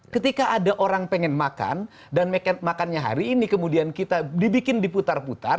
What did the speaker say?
ketika ada orang pengen makan dan makannya hari ini kemudian kita dibikin diputar putar